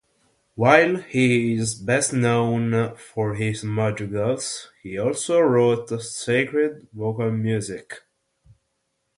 While he is best known for his madrigals, he also wrote sacred vocal music.